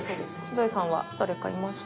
ゾエさんは誰かいます？